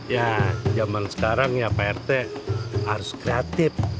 ya zaman sekarang ya pak rt harus kreatif